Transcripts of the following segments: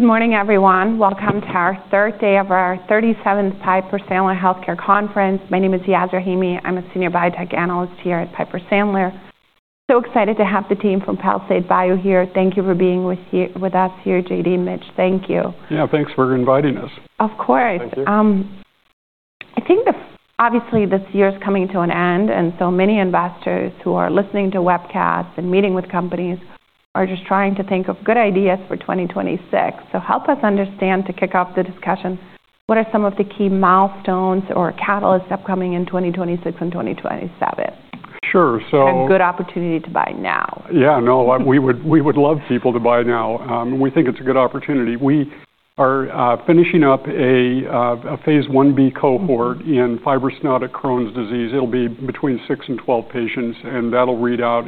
Good morning, everyone. Welcome to our third day of our 37th Piper Sandler Healthcare Conference. My name is Yas Rahimi. I'm a senior biotech analyst here at Piper Sandler. So excited to have the team from Palisade Bio here. Thank you for being with us here, JD and Mitch. Thank you. Yeah, thanks for inviting us. Of course. Thank you. I think, obviously, this year is coming to an end, and so many investors who are listening to webcasts and meeting with companies are just trying to think of good ideas for 2026. So help us understand, to kick off the discussion, what are some of the key milestones or catalysts upcoming in 2026 and 2027? Sure. A good opportunity to buy now? Yeah, no, we would love people to buy now. We think it's a good opportunity. We are finishing up a Phase 1b cohort in fibrostenotic Crohn's disease. It'll be between six and 12 patients, and that'll read out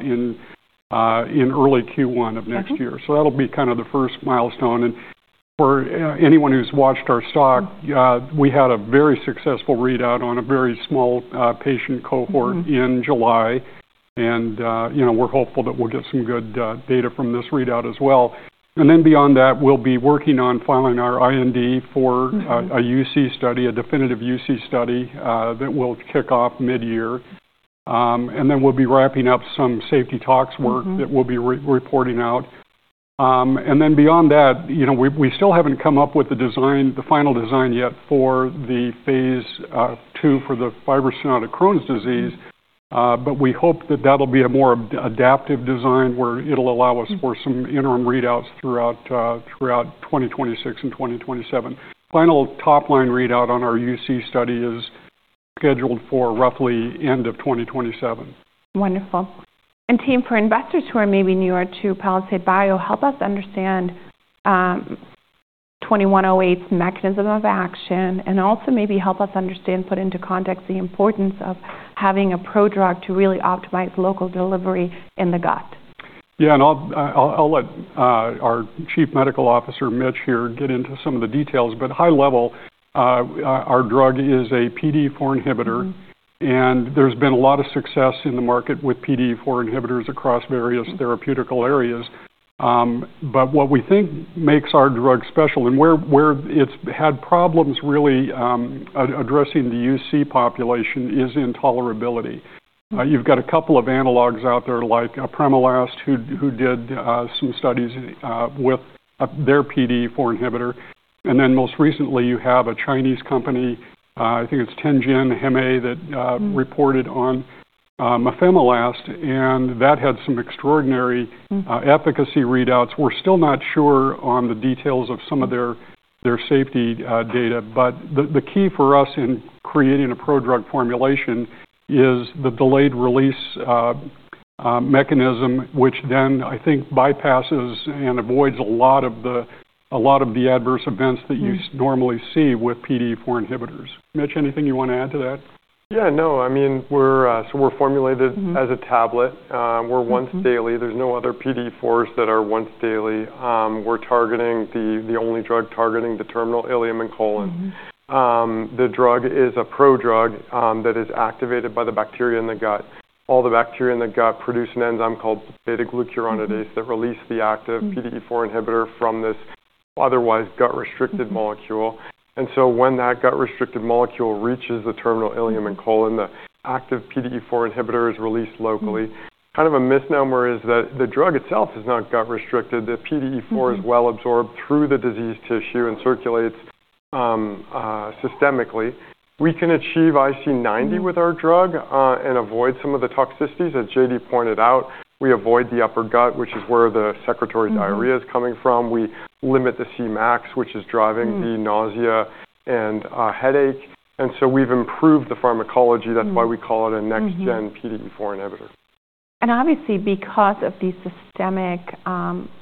in early Q1 of next year. So that'll be kind of the first milestone. And for anyone who's watched our stock, we had a very successful readout on a very small patient cohort in July. And we're hopeful that we'll get some good data from this readout as well. And then beyond that, we'll be working on filing our IND for a UC study, a definitive UC study that will kick off mid-year. And then we'll be wrapping up some safety tox work that we'll be reporting out. And then beyond that, we still haven't come up with the final design yet for the Phase 2 for the fibrostenotic Crohn's disease, but we hope that that'll be a more adaptive design where it'll allow us for some interim readouts throughout 2026 and 2027. Final top-line readout on our UC study is scheduled for roughly end of 2027. Wonderful. And team, for investors who are maybe newer to Palisade Bio, help us understand 2108's mechanism of action and also maybe help us understand, put into context, the importance of having a prodrug to really optimize local delivery in the gut. Yeah, and I'll let our Chief Medical Officer, Mitch, here get into some of the details. But high level, our drug is a PDE4 inhibitor, and there's been a lot of success in the market with PDE4 inhibitors across various therapeutic areas. But what we think makes our drug special and where it's had problems really addressing the UC population is intolerability. You've got a couple of analogs out there, like Apremilast, who did some studies with their PDE4 inhibitor. And then most recently, you have a Chinese company, I think it's Tianjin Hemay, that reported on Mufemilast, and that had some extraordinary efficacy readouts. We're still not sure on the details of some of their safety data, but the key for us in creating a prodrug formulation is the delayed release mechanism, which then, I think, bypasses and avoids a lot of the adverse events that you normally see with PDE4 inhibitors. Mitch, anything you want to add to that? Yeah, no, I mean, so we're formulated as a tablet. We're once daily. There's no other PDE4s that are once daily. We're targeting the only drug targeting the terminal ileum and colon. The drug is a prodrug that is activated by the bacteria in the gut. All the bacteria in the gut produce an enzyme called beta-glucuronidase that releases the active PDE4 inhibitor from this otherwise gut-restricted molecule. And so when that gut-restricted molecule reaches the terminal ileum and colon, the active PDE4 inhibitor is released locally. Kind of a misnomer is that the drug itself is not gut-restricted. The PDE4 is well absorbed through the disease tissue and circulates systemically. We can achieve IC90 with our drug and avoid some of the toxicities that JD pointed out. We avoid the upper gut, which is where the secretory diarrhea is coming from. We limit the Cmax, which is driving the nausea and headache, and so we've improved the pharmacology. That's why we call it a next-gen PDE4 inhibitor. And obviously, because of these systemic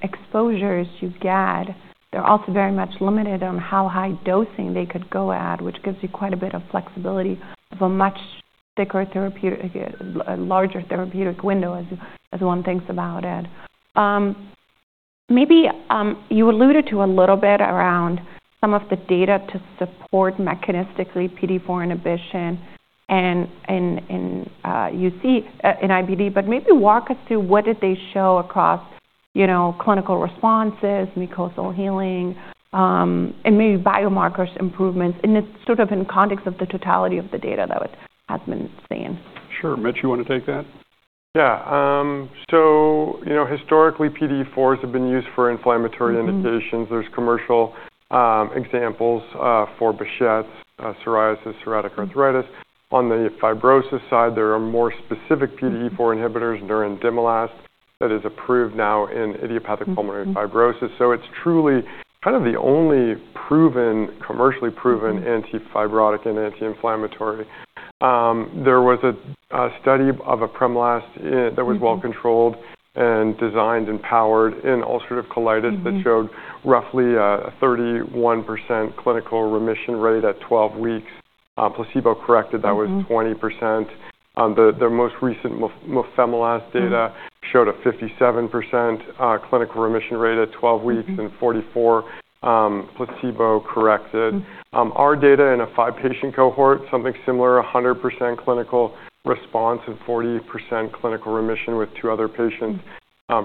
exposures you get, they're also very much limited on how high dosing they could go at, which gives you quite a bit of flexibility for a much thicker, larger therapeutic window as one thinks about it. Maybe you alluded to a little bit around some of the data to support mechanistically PDE4 inhibition and UC in IBD, but maybe walk us through what did they show across clinical responses, mucosal healing, and maybe biomarkers improvements in sort of in context of the totality of the data that has been seen? Sure. Mitch, you want to take that? Yeah. So historically, PDE4s have been used for inflammatory indications. There's commercial examples for Behçet's, psoriasis, psoriatic arthritis. On the fibrosis side, there are more specific PDE4 inhibitors, and there is nerandomilast that is approved now in idiopathic pulmonary fibrosis. So it's truly kind of the only proven, commercially proven antifibrotic and anti-inflammatory. There was a study of Apremilast that was well controlled and designed and powered in ulcerative colitis that showed roughly a 31% clinical remission rate at 12 weeks. Placebo-corrected, that was 20%. The most recent Mufemilast data showed a 57% clinical remission rate at 12 weeks and 44% placebo-corrected. Our data in a five-patient cohort, something similar, 100% clinical response and 40% clinical remission with two other patients,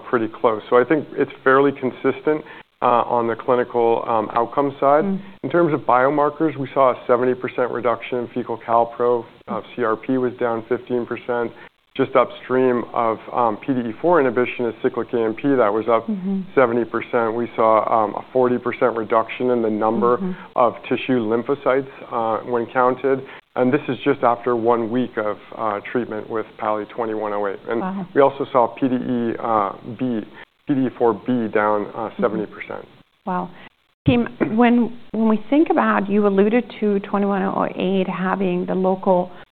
pretty close. So I think it's fairly consistent on the clinical outcome side. In terms of biomarkers, we saw a 70% reduction in fecal calprotectin. CRP was down 15%. Just upstream of PDE4 inhibition is cyclic AMP. That was up 70%. We saw a 40% reduction in the number of tissue lymphocytes when counted. And this is just after one week of treatment with PALI-2108. And we also saw PDE4B down 70%. Wow. Team, when we think about, you alluded to 2108 having the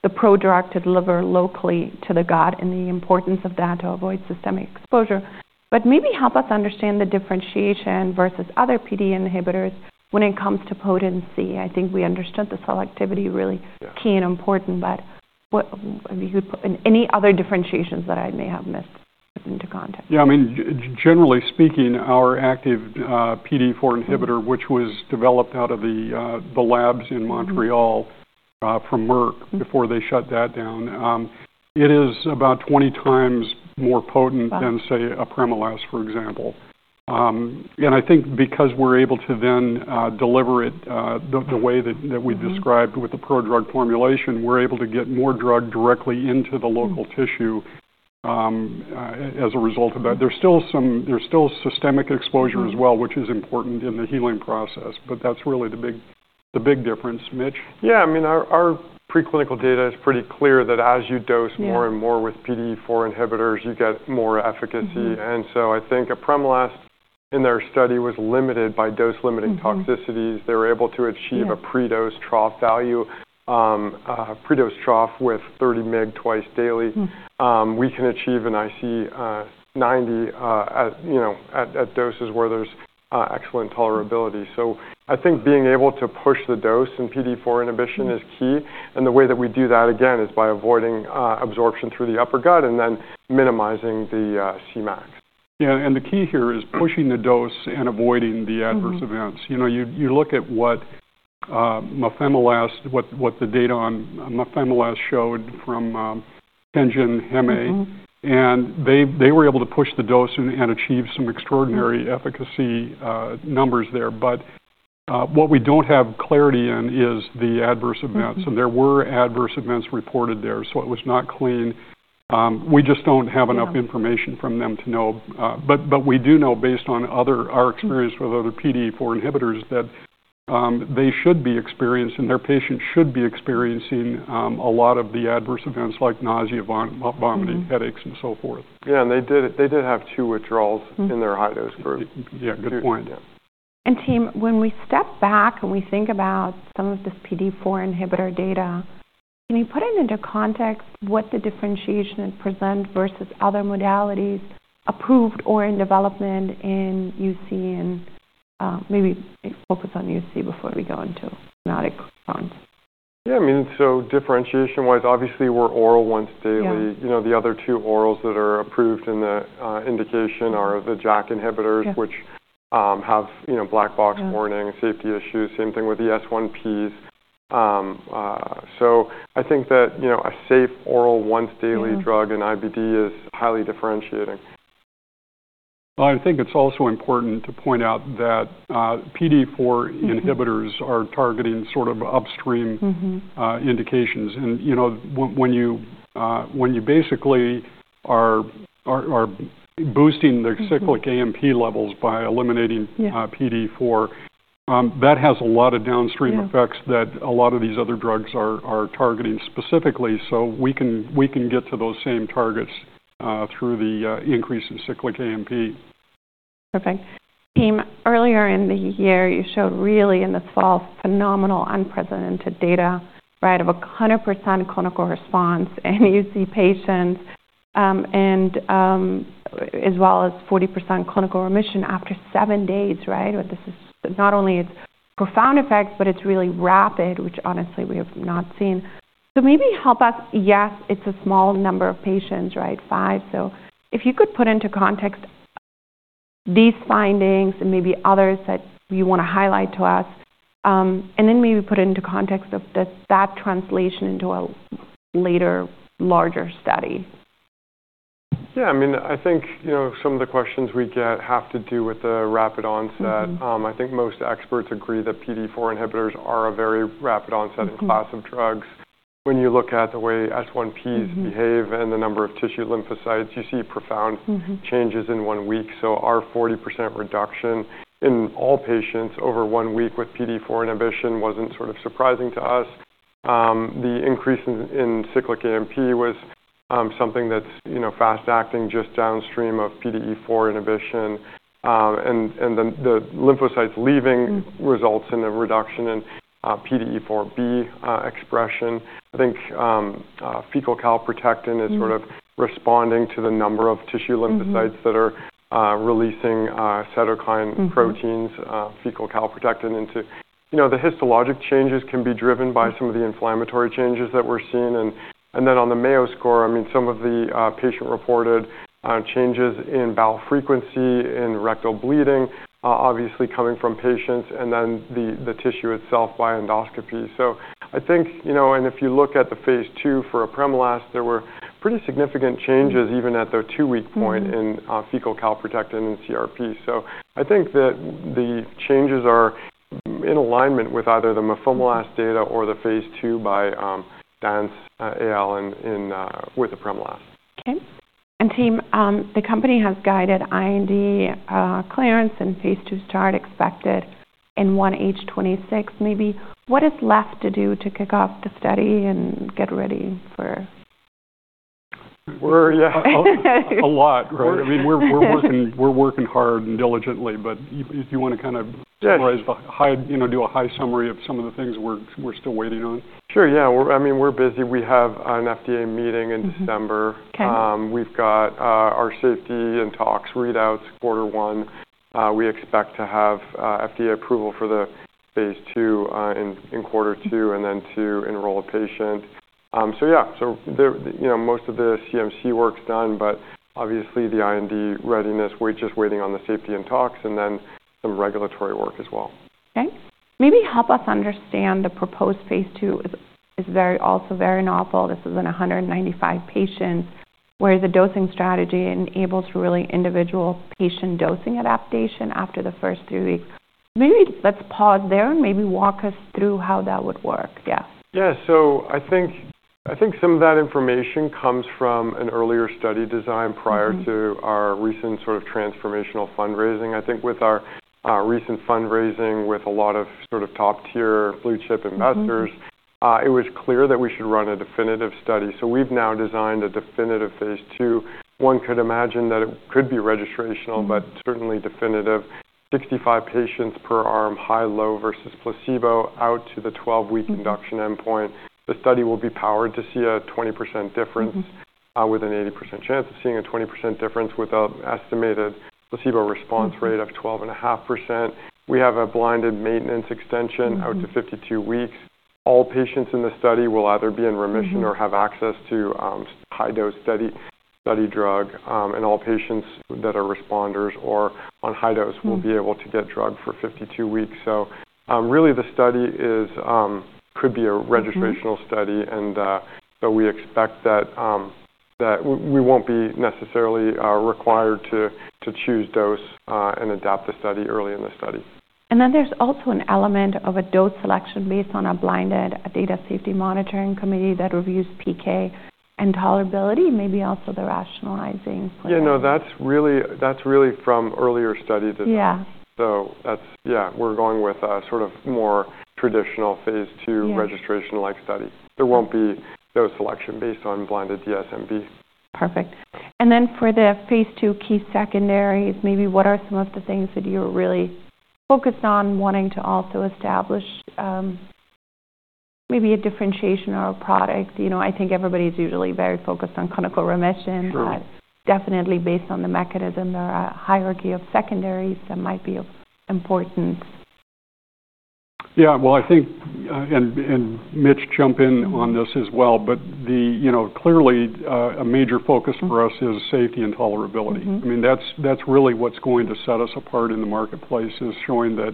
prodrug to deliver locally to the gut and the importance of that to avoid systemic exposure, but maybe help us understand the differentiation versus other PDE inhibitors when it comes to potency. I think we understood the selectivity really key and important, but any other differentiations that I may have missed in context. Yeah, I mean, generally speaking, our active PDE4 inhibitor, which was developed out of the labs in Montreal from Merck before they shut that down, it is about 20 times more potent than, say, Apremilast, for example. And I think because we're able to then deliver it the way that we described with the prodrug formulation, we're able to get more drug directly into the local tissue as a result of that. There's still systemic exposure as well, which is important in the healing process, but that's really the big difference. Mitch? Yeah, I mean, our preclinical data is pretty clear that as you dose more and more with PDE4 inhibitors, you get more efficacy. And so I think Apremilast in their study was limited by dose-limiting toxicities. They were able to achieve a predose trough value with 30 mg twice daily. We can achieve an IC90 at doses where there's excellent tolerability. So I think being able to push the dose in PDE4 inhibition is key. And the way that we do that, again, is by avoiding absorption through the upper gut and then minimizing the Cmax. Yeah, and the key here is pushing the dose and avoiding the adverse events. You look at what Mufemilast, what the data on Mufemilast showed from Tianjin Hemay, and they were able to push the dose and achieve some extraordinary efficacy numbers there. But what we don't have clarity in is the adverse events. And there were adverse events reported there, so it was not clean. We just don't have enough information from them to know. But we do know, based on our experience with other PDE4 inhibitors, that they should be experiencing, their patients should be experiencing a lot of the adverse events like nausea, vomiting, headaches, and so forth. Yeah, and they did have two withdrawals in their high-dose group. Yeah, good point. Team, when we step back and we think about some of this PDE4 inhibitor data, can you put it into context what the differentiation is present versus other modalities approved or in development in UC and maybe focus on UC before we go into fibrostenotic Crohn's disease? Yeah, I mean, so differentiation-wise, obviously, we're oral once daily. The other two orals that are approved in the indication are the JAK inhibitors, which have black box warnings, safety issues, same thing with the S1Ps. So I think that a safe oral once-daily drug in IBD is highly differentiating. I think it's also important to point out that PDE4 inhibitors are targeting sort of upstream indications. When you basically are boosting the cyclic AMP levels by eliminating PDE4, that has a lot of downstream effects that a lot of these other drugs are targeting specifically. We can get to those same targets through the increase in cyclic AMP. Perfect. Team, earlier in the year, you showed really in the fall phenomenal unprecedented data, right, of a 100% clinical response in UC patients as well as 40% clinical remission after seven days, right? This is not only its profound effects, but it's really rapid, which honestly, we have not seen. So maybe help us, yes, it's a small number of patients, right, five. So if you could put into context these findings and maybe others that you want to highlight to us, and then maybe put it into context of that translation into a later larger study. Yeah, I mean, I think some of the questions we get have to do with the rapid onset. I think most experts agree that PDE4 inhibitors are a very rapid onset class of drugs. When you look at the way S1Ps behave and the number of tissue lymphocytes, you see profound changes in one week, so our 40% reduction in all patients over one week with PDE4 inhibition wasn't sort of surprising to us. The increase in cyclic AMP was something that's fast-acting just downstream of PDE4 inhibition, and the lymphocytes leaving results in a reduction in PDE4B expression. I think fecal calprotectin is sort of responding to the number of tissue lymphocytes that are releasing cytokine proteins. Fecal calprotectin into the histologic changes can be driven by some of the inflammatory changes that we're seeing. And then on the Mayo score, I mean, some of the patient-reported changes in bowel frequency and rectal bleeding, obviously coming from patients, and then the tissue itself by endoscopy. So I think, and if you look at the Phase II for a Apremilast, there were pretty significant changes even at the two-week point in fecal calprotectin and CRP. So I think that the changes are in alignment with either the Mufemilast data or the Phase II by Danese et al with the Apremilast. Okay. And team, the company has guided IND clearance and Phase II start expected in 1H26. Maybe what is left to do to kick off the study and get ready for? We're, yeah, a lot, right? I mean, we're working hard and diligently, but if you want to kind of summarize, do a high summary of some of the things we're still waiting on. Sure, yeah. I mean, we're busy. We have an FDA meeting in December. We've got our safety and tox readouts quarter one. We expect to have FDA approval for the Phase II in quarter two and then to enroll a patient. So yeah, so most of the CMC work's done, but obviously the IND readiness, we're just waiting on the safety and tox and then some regulatory work as well. Okay. Maybe help us understand the proposed Phase 2 is also very novel. This is in 195 patients where the dosing strategy enables really individual patient dosing adaptation after the first three weeks. Maybe let's pause there and maybe walk us through how that would work, yeah. Yeah, so I think some of that information comes from an earlier study design prior to our recent sort of transformational fundraising. I think with our recent fundraising with a lot of sort of top-tier blue-chip investors, it was clear that we should run a definitive study. So we've now designed a definitive Phase II. One could imagine that it could be registrational, but certainly definitive. 65 patients per arm, high, low versus placebo out to the 12-week induction endpoint. The study will be powered to see a 20% difference with an 80% chance of seeing a 20% difference with an estimated placebo response rate of 12.5%. We have a blinded maintenance extension out to 52 weeks. All patients in the study will either be in remission or have access to high-dose study drug. And all patients that are responders or on high dose will be able to get drug for 52 weeks. So really, the study could be a registrational study, and so we expect that we won't be necessarily required to choose dose and adapt the study early in the study. And then there's also an element of a dose selection based on a blinded data safety monitoring committee that reviews PK and tolerability, maybe also the rationalizing. Yeah, no, that's really from earlier studies. So yeah, we're going with sort of more traditional Phase 2 registration-like study. There won't be dose selection based on blinded DSMB. Perfect. And then for the Phase 2 key secondaries, maybe what are some of the things that you're really focused on wanting to also establish maybe a differentiation or a product? I think everybody's usually very focused on clinical remission, but definitely based on the mechanism, there are a hierarchy of secondaries that might be of importance. Yeah, well, I think, and Mitch jump in on this as well, but clearly a major focus for us is safety and tolerability. I mean, that's really what's going to set us apart in the marketplace is showing that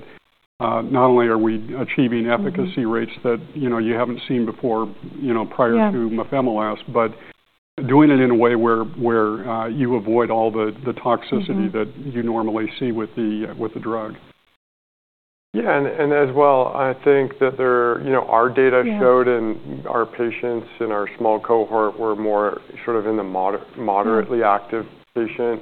not only are we achieving efficacy rates that you haven't seen before prior to Mufemilast, but doing it in a way where you avoid all the toxicity that you normally see with the drug. Yeah, and as well, I think that our data showed in our patients in our small cohort were more sort of in the moderately active patient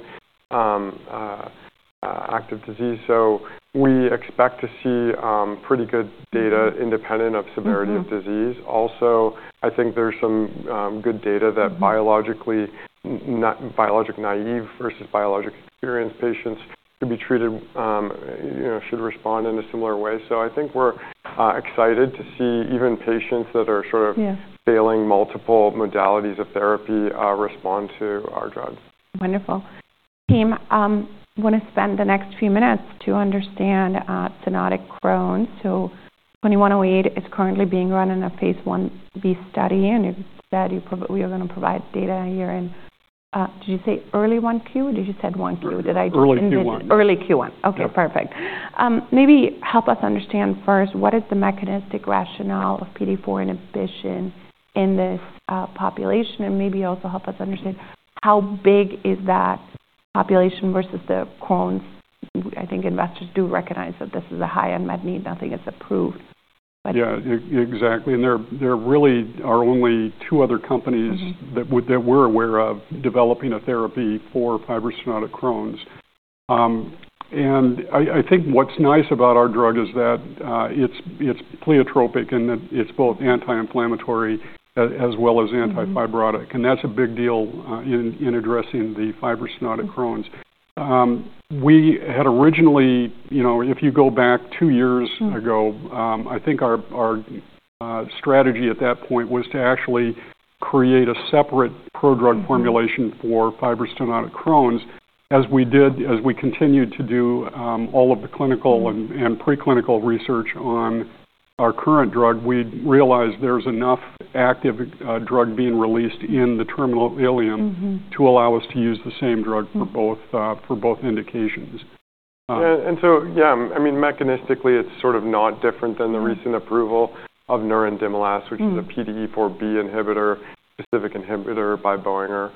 active disease. So we expect to see pretty good data independent of severity of disease. Also, I think there's some good data that biologically naive versus biologically experienced patients should be treated, should respond in a similar way. So I think we're excited to see even patients that are sort of failing multiple modalities of therapy respond to our drug. Wonderful. Team, I want to spend the next few minutes to understand fibrostenotic Crohn's. So 2108 is currently being run in a Phase 1b study, and you said you were going to provide data here in, did you say early 1Q? Did you said 1Q? Did I do it? Early Q1. Early Q1. Okay, perfect. Maybe help us understand first what the mechanistic rationale of PDE4 inhibition in this population is. And maybe also help us understand how big that population is versus the Crohn's. I think investors do recognize that this is a high unmet medical need. Nothing is approved. Yeah, exactly. And there really are only two other companies that we're aware of developing a therapy for fibrostenotic Crohn's. And I think what's nice about our drug is that it's pleiotropic and that it's both anti-inflammatory as well as antifibrotic. And that's a big deal in addressing the fibrostenotic Crohn's. We had originally, if you go back two years ago, I think our strategy at that point was to actually create a separate prodrug formulation for fibrostenotic Crohn's. As we continued to do all of the clinical and preclinical research on our current drug, we realized there's enough active drug being released in the terminal ileum to allow us to use the same drug for both indications. Yeah, and so, yeah, I mean, mechanistically, it's sort of not different than the recent approval of nerandomilast, which is a PDE4B inhibitor, specific inhibitor by Boehringer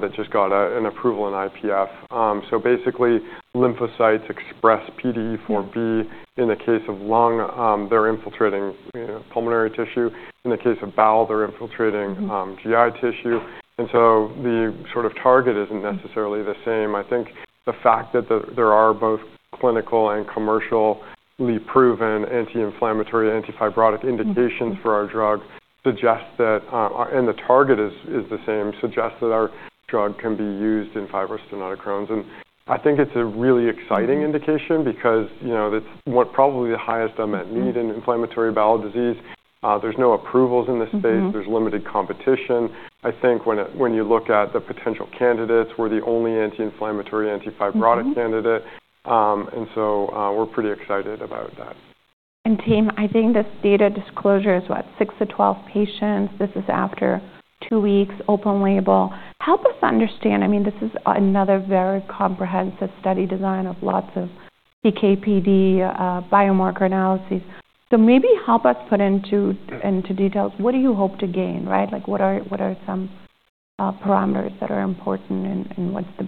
that just got an approval in IPF. So basically, lymphocytes express PDE4B in the case of lung. They're infiltrating pulmonary tissue. In the case of bowel, they're infiltrating GI tissue. And so the sort of target isn't necessarily the same. I think the fact that there are both clinical and commercially proven anti-inflammatory, antifibrotic indications for our drug suggests that, and the target is the same, suggests that our drug can be used in fibrostenotic Crohn's. And I think it's a really exciting indication because it's probably the highest unmet need in inflammatory bowel disease. There's no approvals in this space. There's limited competition. I think when you look at the potential candidates, we're the only anti-inflammatory, antifibrotic candidate. And so we're pretty excited about that. Team, I think this data disclosure is what, six to 12 patients? This is after two weeks, open label. Help us understand, I mean, this is another very comprehensive study design of lots of CD biomarker analyses. Maybe help us put into details, what do you hope to gain, right? What are some parameters that are important and what's the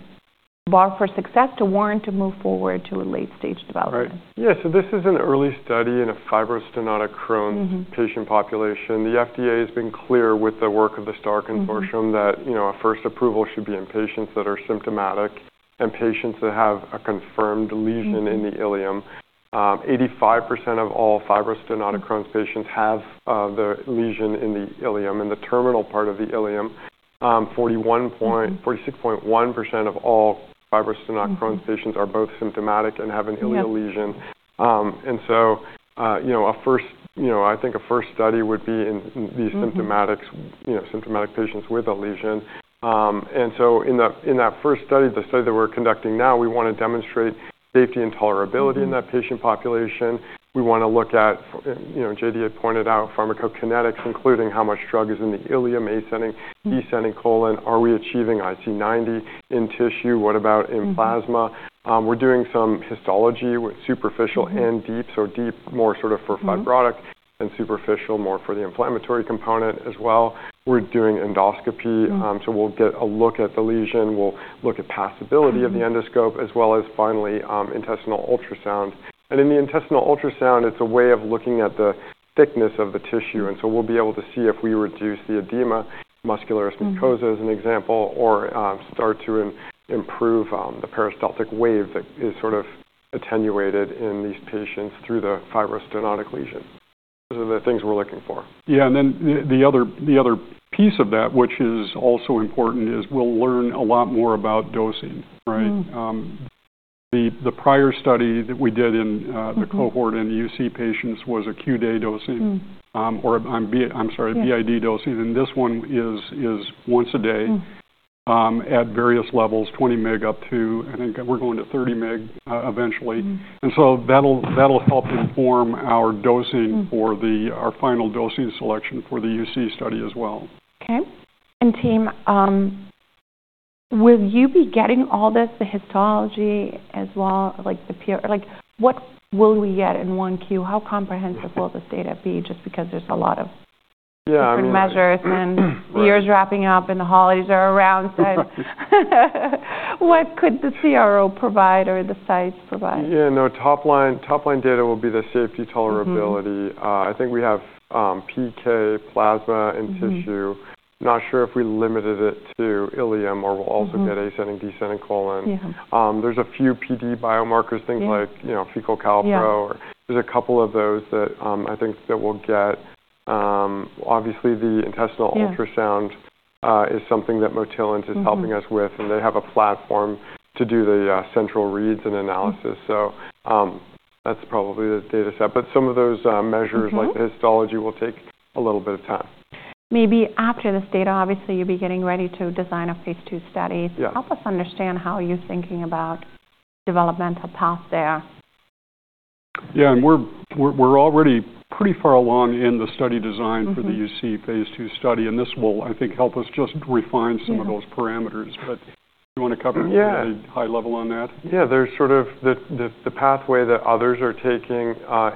bar for success to warrant to move forward to a late-stage development? Right. Yeah, so this is an early study in a fibrostenotic Crohn's patient population. The FDA has been clear with the work of the STAR consortium that a first approval should be in patients that are symptomatic and patients that have a confirmed lesion in the ileum. 85% of all fibrostenotic Crohn's patients have the lesion in the ileum and the terminal part of the ileum. 46.1% of all fibrostenotic Crohn's patients are both symptomatic and have an ileal lesion. And so a first, I think a first study would be in these symptomatic patients with a lesion. And so in that first study, the study that we're conducting now, we want to demonstrate safety and tolerability in that patient population. We want to look at, JD pointed out, pharmacokinetics, including how much drug is in the ileum, ascending, descending colon. Are we achieving IC90 in tissue? What about in plasma? We're doing some histology with superficial and deep, so deep more sort of for fibrotic and superficial more for the inflammatory component as well. We're doing endoscopy, so we'll get a look at the lesion. We'll look at passability of the endoscope as well as finally intestinal ultrasound, and in the intestinal ultrasound, it's a way of looking at the thickness of the tissue, and so we'll be able to see if we reduce the edema, muscularis mucosae as an example, or start to improve the peristaltic wave that is sort of attenuated in these patients through the fibrostenotic lesion. Those are the things we're looking for. Yeah, and then the other piece of that, which is also important, is we'll learn a lot more about dosing, right? The prior study that we did in the cohort in UC patients was a QD dosing or, I'm sorry, BID dosing. And this one is once a day at various levels, 20 mg up to, I think we're going to 30 mg eventually. And so that'll help inform our dosing for our final dosing selection for the UC study as well. Okay. And, team, will you be getting all this, the histology as well, like the PR, like what will we get in 1Q? How comprehensive will this data be just because there's a lot of different measures and the year's wrapping up and the holidays are around? What could the CRO provide or the sites provide? Yeah, no, top line data will be the safety tolerability. I think we have PK, plasma, and tissue. Not sure if we limited it to ileum or we'll also get ascending, descending colon. There's a few PD biomarkers, things like fecal calprotectin. There's a couple of those that I think that we'll get. Obviously, the intestinal ultrasound is something that Motilent is helping us with, and they have a platform to do the central reads and analysis. So that's probably the data set. But some of those measures like the histology will take a little bit of time. Maybe after this data, obviously, you'll be getting ready to design a Phase II study. Help us understand how you're thinking about development path there. Yeah, and we're already pretty far along in the study design for the UC Phase II study, and this will, I think, help us just refine some of those parameters. But do you want to cover a high level on that? Yeah, there's sort of the pathway that others are taking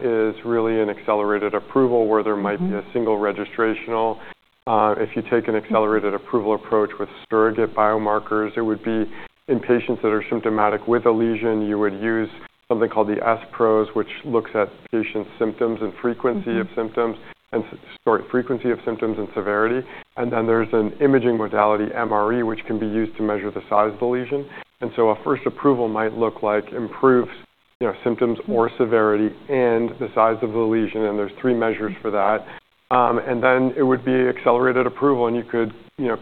is really an accelerated approval where there might be a single registrational. If you take an accelerated approval approach with surrogate biomarkers, it would be in patients that are symptomatic with a lesion, you would use something called the Stricture-PRO, which looks at patient symptoms and frequency of symptoms and severity. And then there's an imaging modality, MRE, which can be used to measure the size of the lesion. And so a first approval might look like improved symptoms or severity and the size of the lesion, and there's three measures for that. And then it would be accelerated approval, and you could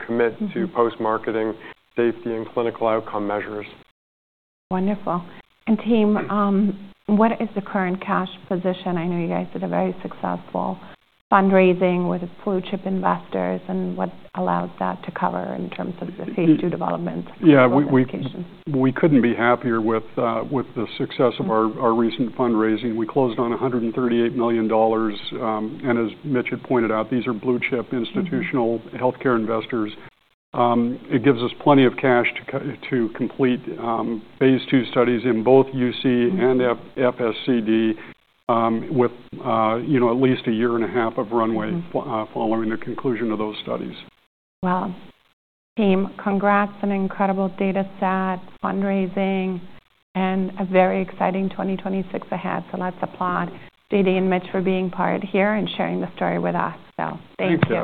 commit to post-marketing safety and clinical outcome measures. Wonderful. Team, what is the current cash position? I know you guys did a very successful fundraising with blue-chip investors, and what allows that to cover in terms of the Phase II development? Yeah, we couldn't be happier with the success of our recent fundraising. We closed on $138 million, and as Mitch had pointed out, these are blue-chip institutional healthcare investors. It gives us plenty of cash to complete Phase II studies in both UC and FSCD with at least a year and a half of runway following the conclusion of those studies. Wow. Team, congrats on an incredible data set, fundraising, and a very exciting 2026 ahead. So let's applaud JD and Mitch for being part here and sharing the story with us. So thank you.